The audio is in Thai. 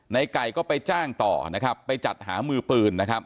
ไก่ก็ไปจ้างต่อนะครับไปจัดหามือปืนนะครับ